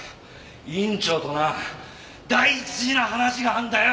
院長とな大事な話があるんだよ！